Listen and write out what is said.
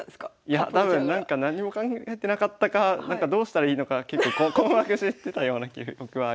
いや多分何にも考えてなかったかどうしたらいいのか困惑してたような記憶はありますね。